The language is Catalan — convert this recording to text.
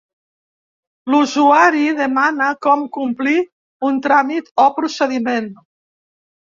L'usuari demana com complir un tràmit o procediment.